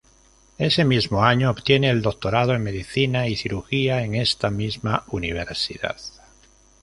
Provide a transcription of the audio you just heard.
Ese mismo año obtiene el doctorado en Medicina y Cirugía en esta misma universidad.